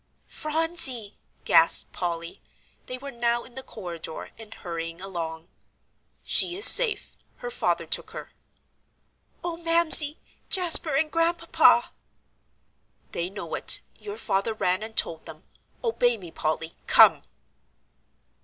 "Phronsie!" gasped Polly. They were now in the corridor and hurrying along. "She is safe; her father took her." "Oh, Mamsie, Jasper and Grandpapa!" "They know it; your father ran and told them. Obey me, Polly; come!"